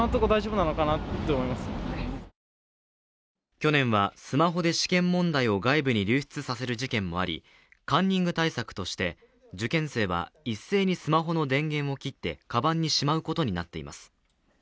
去年はスマホで試験問題を外部に流出させる事件もあり、カンニング対策として、受験生は一斉にスマホの電源を切ってかばんにしまうことになっています。